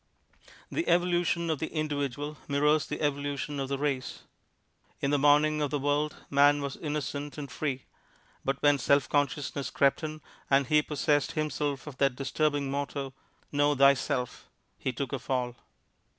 The evolution of the individual mirrors the evolution of the race. In the morning of the world man was innocent and free; but when self consciousness crept in and he possessed himself of that disturbing motto, "Know Thyself," he took a fall.